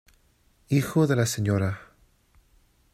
Hijo de la Sra.